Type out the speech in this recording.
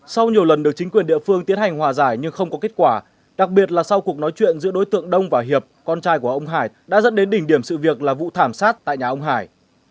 sau nhiều lần được chính quyền địa phương tiến hành hòa giải nhưng không có kết quả đặc biệt là sau cuộc nói chuyện giữa đối tượng đông và hiệp con trai của ông hải đã dẫn đến đỉnh điểm sự việc là vụ thảm sát tại nhà ông hải